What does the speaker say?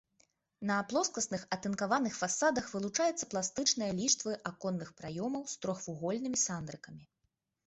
На плоскасных атынкаваных фасадах вылучаюцца пластычныя ліштвы аконных праёмаў з трохвугольнымі сандрыкамі.